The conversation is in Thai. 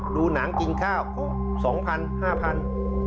ดูหนังกินข้าวก็๒๐๐๕๐๐บาท